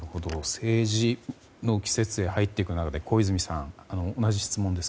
政治の季節へ入っていくとなると小泉さん、同じ質問です。